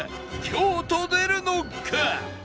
凶と出るのか？